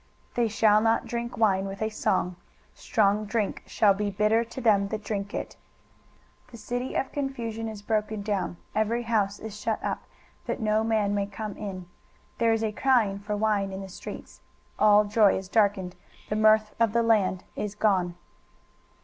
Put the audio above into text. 23:024:009 They shall not drink wine with a song; strong drink shall be bitter to them that drink it. 23:024:010 The city of confusion is broken down: every house is shut up, that no man may come in. 23:024:011 There is a crying for wine in the streets; all joy is darkened, the mirth of the land is gone.